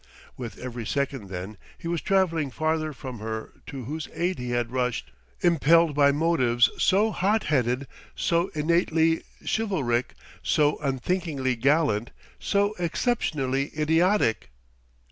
With every second, then, he was traveling farther from her to whose aid he had rushed, impelled by motives so hot headed, so innately, chivalric, so unthinkingly gallant, so exceptionally idiotic!